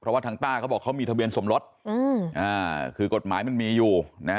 เพราะว่าทางต้าเขาบอกเขามีทะเบียนสมรสคือกฎหมายมันมีอยู่นะ